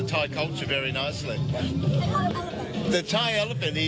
ที่ดีใจและภูมิใจ